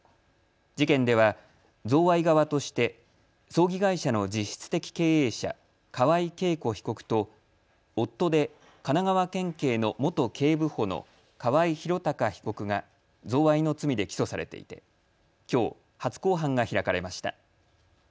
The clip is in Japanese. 事件では贈賄側として葬儀会社の実質的経営者、河合恵子被告と夫で神奈川県警の元警部補の河合博貴被告が贈賄の罪で起訴されていてきょう、初公判が開かれました。